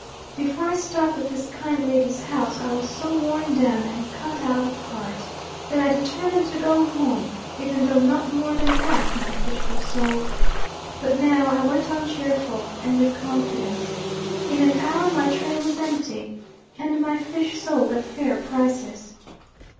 Before I stopped at this kind lady's house, I was so worn down and out of heart, that I determined to go home, even though not more than half my fish were sold. But now I went on cheerful and with confidence. In an hour my tray was empty, and my fish sold at fair prices.